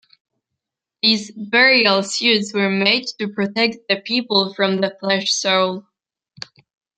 These burial suits were made to protect the people from the flesh-soul.